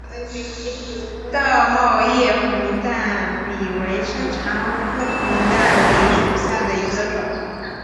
倒卵叶红淡比为山茶科红淡比属下的一个种。